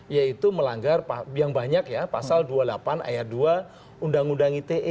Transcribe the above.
yaitu melanggar yang banyak ya pasal dua puluh delapan ayat dua undang undang ite